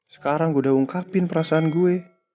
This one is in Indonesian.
sekarang gue udah ungkapin perasaan gue